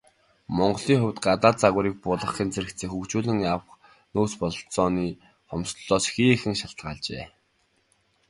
Монголын хувьд, гадаад загварыг буулгахын зэрэгцээ хөгжүүлэн авах нөөц бололцооны хомсдолоос ихээхэн шалтгаалжээ.